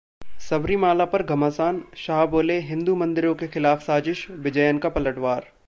सबरीमाला पर घमासानः शाह बोले- हिंदू मंदिरों के खिलाफ साजिश, विजयन का पलटवार